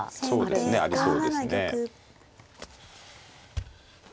そうですねありそうですね。